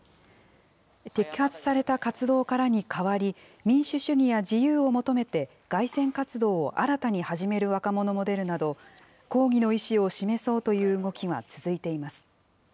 摘発された活動家らに代わり、民主主義や自由を求めて、街宣活動を新たに始める若者も出るなど、抗議の意志を示そうという動きは続いています。